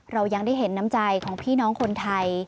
เรายังได้เห็นน้ำใจของพี่น้องคนไทย